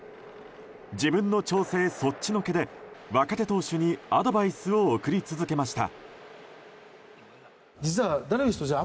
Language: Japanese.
自分の調整そっちのけで若手投手にアドバイスを送り続けました。